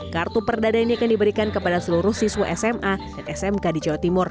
kartu perdana ini akan diberikan kepada seluruh siswa sma dan smk di jawa timur